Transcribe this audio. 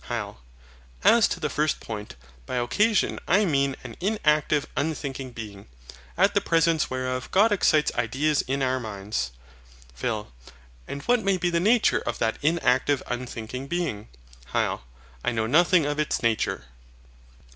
HYL. As to the first point: by OCCASION I mean an inactive unthinking being, at the presence whereof God excites ideas in our minds. PHIL. And what may be the nature of that inactive unthinking being? HYL. I know nothing of its nature.